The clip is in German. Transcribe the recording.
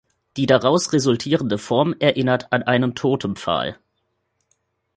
Die daraus resultierende Form erinnert an einen Totempfahl.